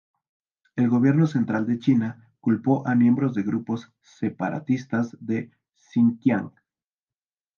El gobierno central de China culpó a miembros de grupos separatistas de Sinkiang.